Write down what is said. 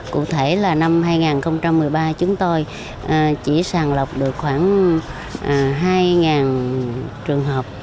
cụ thể là năm hai nghìn một mươi ba chúng tôi chỉ sàng lọc được khoảng hai trường hợp